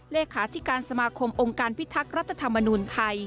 เลขาธิการสมาคมองค์การพิทักษ์รัฐธรรมนุนไทย